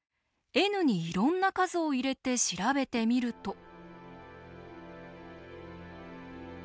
ｎにいろんな数を入れて調べてみると。